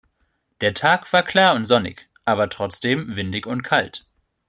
Der Tag war klar und sonnig, aber trotzdem windig und kalt.